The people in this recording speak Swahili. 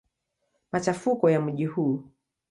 Machafuko ya mji huu.